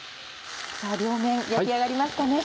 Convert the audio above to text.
さぁ両面焼き上がりましたね。